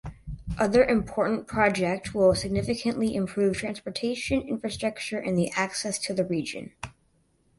Other important project will significantly improve transportation infrastructure and the access to the region.